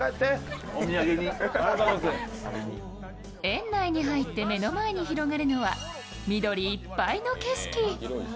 園内に入って目の前に広がるのは緑いっぱいの景色。